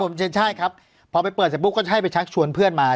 คุณเชนใช่ครับพอไปเปิดเสร็จปุ๊บก็ใช่ไปชักชวนเพื่อนมา